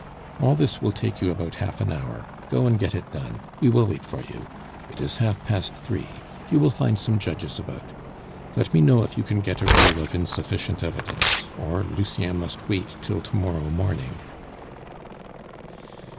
"All this will take you about half an hour; go and get it done; we will wait for you. It is half past three; you will find some judges about. Let me know if you can get a rule of insufficient evidence or Lucien must wait till to morrow morning."